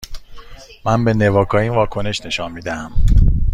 من به نواکائین واکنش نشان می دهم.